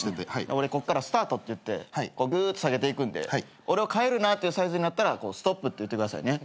俺こっからスタートって言ってぐーって下げていくんで俺を飼えるなってサイズになったらストップって言ってくださいね。